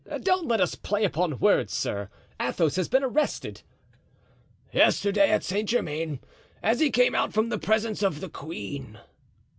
"Don't let us play upon words, sir. Athos has been arrested." "Yesterday, at Saint Germain, as he came out from the presence of the queen."